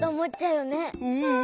うん。